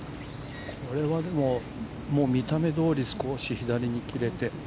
これは、でも、もう見た目どおり、少し左に切れて。